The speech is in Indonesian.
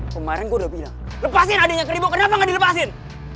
ternyata gue udah bilang lepasin adiknya keribuk kenapa gak dilepasin